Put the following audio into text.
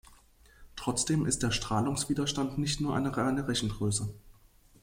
Trotzdem ist der Strahlungswiderstand nicht nur eine reine Rechengröße.